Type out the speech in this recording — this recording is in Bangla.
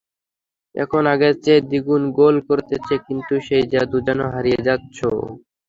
এখন আগের চেয়ে দ্বিগুণ গোল করছেন, কিন্তু সেই জাদু যেন হারিয়ে যাচ্ছে।